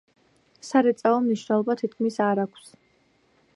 სარეწაო მნიშვნელობა თითქმის არ აქვს.